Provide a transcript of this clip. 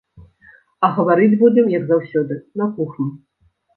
А гаварыць будзем, як заўсёды, на кухні.